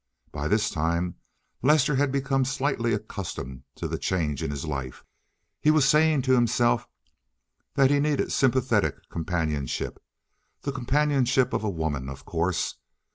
By this time Lester had become slightly accustomed to the change in his life. He was saying to himself that he needed sympathetic companionship, the companionship of a woman, of course.